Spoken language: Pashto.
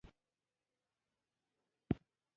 د کتاب د مقدمې په پای کې راغلي دي.